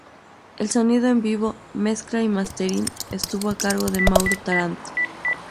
El sonido en vivo, mezcla y mastering estuvo a cargo de Mauro Taranto.